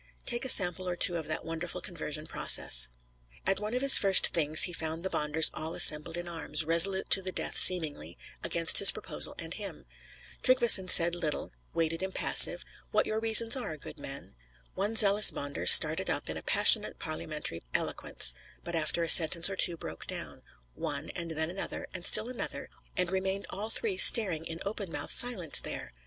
Take a sample or two of that wonderful conversion process: At one of his first Things he found the Bonders all assembled in arms; resolute to the death seemingly, against his proposal and him. Tryggveson said little; waited impassive, "What your reasons are, good men?" One zealous Bonder started up in passionate parliamentary eloquence; but after a sentence or two broke down; one, and then another, and still another, and remained all three staring in open mouthed silence there!